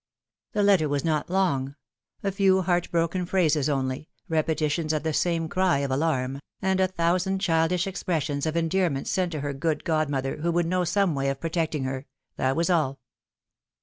'^ The letter was not long; a few heart broken phrases only, repetitions of the same cry of alarm, and a thousand childish expressions of endearment sent to her good god mother, who would know some way of protecting her — that was all